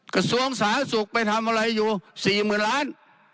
กระทรวงสาสุกไปทำอะไรอยู่สี่หมื่นล้าน